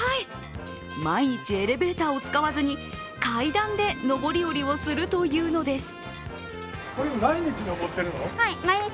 毎日、エレベーターを使わずに階段で上り下りをするというのです。